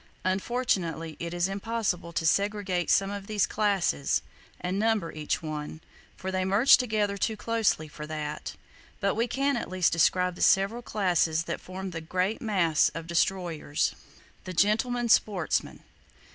Unfortunately it is impossible to segregate some of these classes, and number each one, for they merge together too closely for that; but we can at least describe the several classes that form the great mass of destroyers. The Gentlemen Sportsmen.